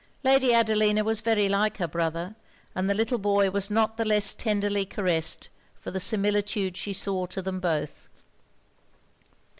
Lady Adelina was very like her brother; and the little boy was not the less tenderly caressed for the similitude she saw to them both.